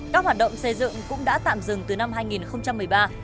các hoạt động xây dựng cũng đã tạm dừng từ năm hai nghìn một mươi ba